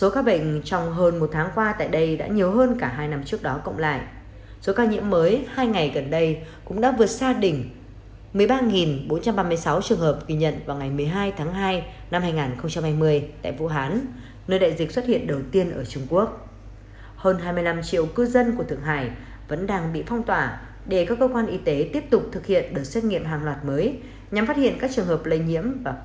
các bạn hãy đăng ký kênh để ủng hộ kênh của chúng mình nhé